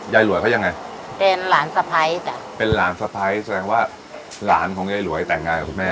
หลวยเขายังไงเป็นหลานสะพ้ายจ้ะเป็นหลานสะพ้ายแสดงว่าหลานของยายหลวยแต่งงานกับคุณแม่